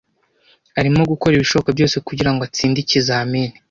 Arimo gukora ibishoboka byose kugirango atsinde ikizamini.